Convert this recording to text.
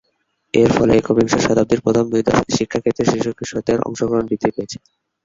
এর ফলে একবিংশ শতাব্দীর প্রথম দুই দশকে শিক্ষাক্ষেত্রে শিশু-কিশোদের অংশগ্রহণ বৃদ্ধি পেয়েছে।